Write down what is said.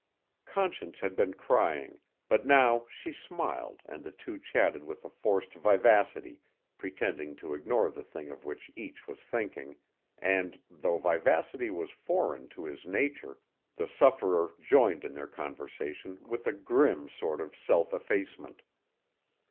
Conscience had been crying, but now she smiled and the two chatted with a forced vivacity, pretending to ignore the thing of which each was thinking and, though vivacity was foreign to his nature, the sufferer joined in their conversation with a grim sort of self effacement.